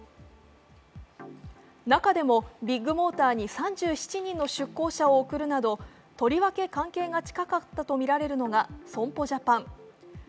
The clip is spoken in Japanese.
中でもビッグモーターに３７人の出向者を送るなどとりわけ関係が近かったとみられるのが、損保ジャパン。